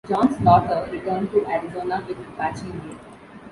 John Slaughter returned to Arizona with Apache May.